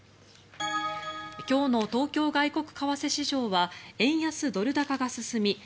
今日の東京外国為替市場は円安・ドル高が進み